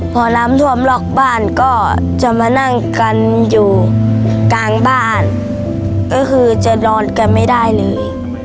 พอน้ำท่วมล็อกบ้านก็จะมานั่งกันอยู่กลางบ้านก็คือจะนอนกันไม่ได้เลย